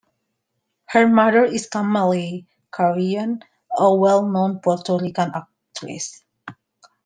Her mother is Camille Carrion, a well known Puerto Rican actress.